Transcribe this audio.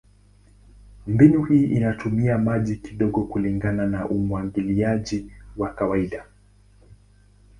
Mbinu hii inatumia maji kidogo kulingana na umwagiliaji wa kawaida.